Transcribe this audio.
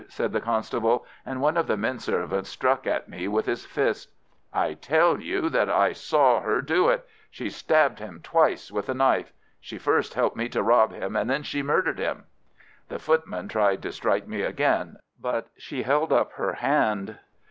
said the constable, and one of the men servants struck at me with his fist. "I tell you that I saw her do it. She stabbed him twice with a knife. She first helped me to rob him, and then she murdered him." The footman tried to strike me again, but she held up her hand.